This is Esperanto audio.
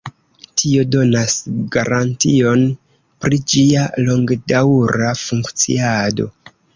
Tio donas garantion pri ĝia longedaŭra funkciado.